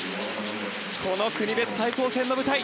この国別対抗戦の舞台。